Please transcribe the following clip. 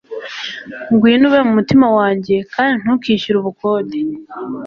ngwino ube mu mutima wanjye, kandi ntukishyure ubukode